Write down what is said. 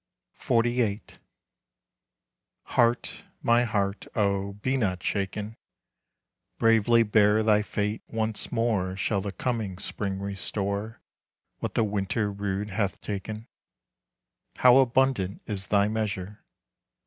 XLVIII. Heart, my heart, oh, be not shaken! Bravely bear thy fate. Once more Shall the coming Spring restore What the Winter rude hath taken. How abundant is thy measure!